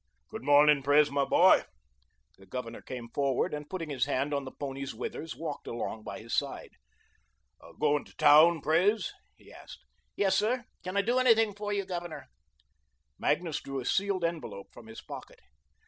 "Good morning, Pres, my boy." The Governor came forward and, putting his hand on the pony's withers, walked along by his side. "Going to town, Pres?" he asked. "Yes, sir. Can I do anything for you, Governor?" Magnus drew a sealed envelope from his pocket.